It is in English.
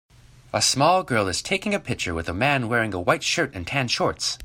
A small girl is taking a picture with a man wearing a white shirt and tan shorts.